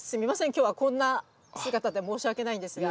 今日はこんな姿で申し訳ないんですが。